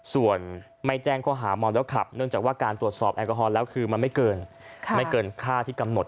ส่วนไม่แจ้งข้อหาเมาแล้วขับเนื่องจากว่าการตรวจสอบแอลกอฮอลแล้วคือมันไม่เกินค่าที่กำหนด